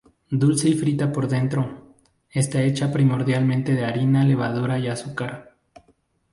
Dulce y frita por dentro, está hecha primordialmente de harina, levadura y azúcar.